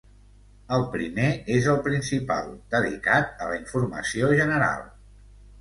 El primer és el principal, dedicat a la informació general.